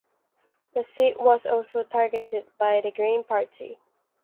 The seat was also targeted by the Green Party.